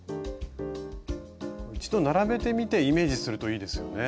一度並べてみてイメージするといいですよね。